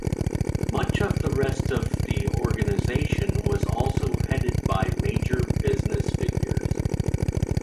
Much of the rest of the organization was also headed by major business figures.